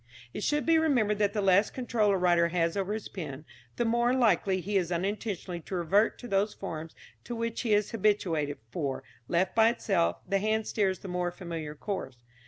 It should be remembered that the less control a writer has over his pen, the more likely is he unintentionally to revert to those forms to which he is habituated, for, left by itself, the hand steers the more familiar course.